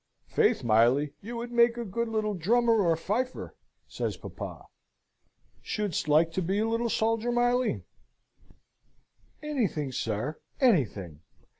"Faith, Miley, thou wouldst make a good little drummer or fifer!" says papa. "Shouldst like to be a little soldier, Miley?" "Anything, sir, anything!